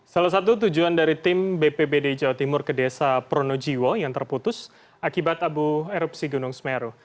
salah satu tujuan dari tim bpbd jawa timur ke desa pronojiwo yang terputus akibat abu erupsi gunung semeru